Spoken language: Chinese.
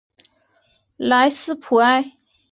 莱斯普埃。